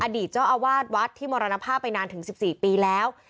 อดีตเจ้าอาวาสวัดที่มรณภาพไปนานถึง๑๔ปีแล้ว